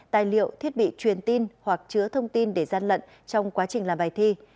tài liệu thiết bị truyền tin hoặc chứa thông tin để gian lận trong quá trình làm bài thi